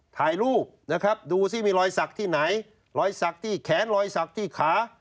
ถ่ายรูปนะครับดูซิมีรอยสักที่ไหนรอยสักที่แขนรอยสักที่ขา